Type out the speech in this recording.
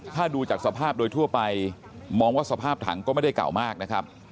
ถ้าดูจากสภาพโดยทั่วไปมองว่าสภาพถังก็ไม่ได้เก่ามากนะครับ